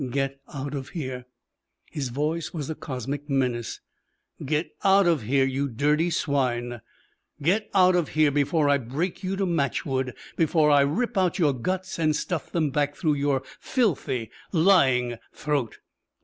"Get out of here!" His voice was a cosmic menace. "Get out of here, you dirty swine. Get out of here before I break you to matchwood, before I rip out your guts and stuff them back through your filthy, lying throat.